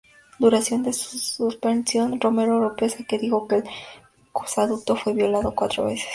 Durante su suspensión, Romero Oropeza dijo que el gasoducto fue violado cuatro veces.